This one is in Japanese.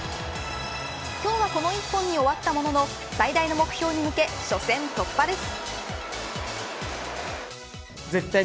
今日はこの一本に終わったものの最大の目標に向け初戦突破です。